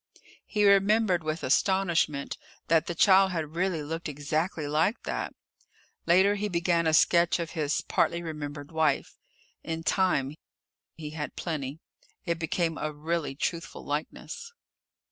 He remembered with astonishment that the child had really looked exactly like that! Later he began a sketch of his partly remembered wife. In time he had plenty it became a really truthful likeness.